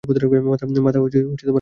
মাথা খারাপ হয়ে গেছে তোমার?